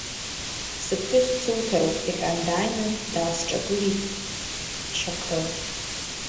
Сыԥҳәыс дсуҭароуп, — иҳәан дааины даасҿагылеит Шьақро.